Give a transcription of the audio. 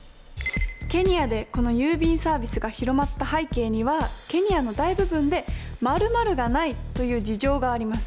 ケニアでこの郵便サービスが広まった背景には「ケニアの大部分で○○がない」という事情があります。